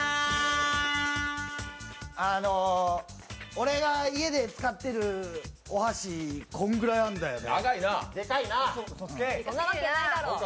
俺が家で使ってるお箸、こんぐらいあんだよね。